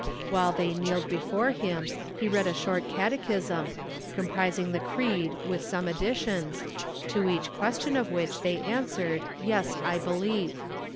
While they kneeled before him he read a short catechism, com prising the creed with some additions, to each question of which they answered "Yes, I beheve."